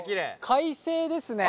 快晴ですね。